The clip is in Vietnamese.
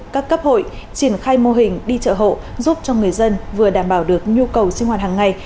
các cấp hội triển khai mô hình đi chợ hộ giúp cho người dân vừa đảm bảo được nhu cầu sinh hoạt hàng ngày